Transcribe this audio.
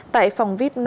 tại phòng vip năm